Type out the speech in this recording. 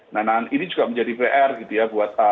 nah ini juga menjadi pr gitu ya